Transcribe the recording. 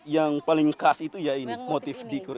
yang paling khas itu motif dikur ini